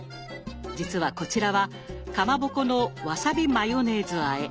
実はこちらは「かまぼこのわさびマヨネーズあえ」。